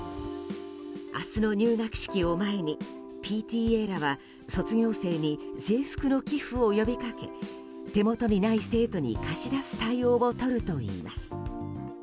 明日の入学式を前に、ＰＴＡらは卒業生に制服の寄付を呼びかけ手元にない生徒に貸し出す対応をとるといいます。